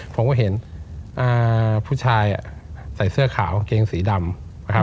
ผมก็เห็นผู้ชายใส่เสื้อขาวเกงสีดำ